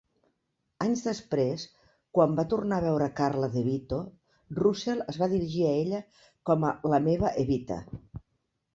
Anys després, quan va tornar a veure Karla DeVito, Russell es va dirigir a ella com a La meva Evita.